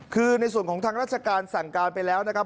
คือในส่วนของทางราชการสั่งการไปแล้วนะครับ